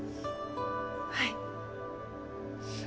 はい